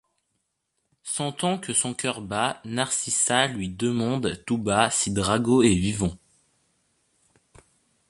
Sentant que son cœur bat, Narcissa lui demande tout bas si Drago est vivant.